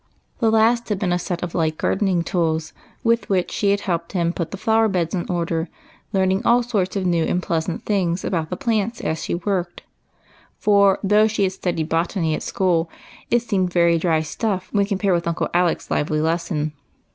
The last had been a set of light gardening tools, with which she had helped him put the flower beds in order, learning all sorts of new and pleasant things about the plants as she worked, for, though she had studied botany at school, it seemed very dry stuff compared with Uncle Alec's lively lesson.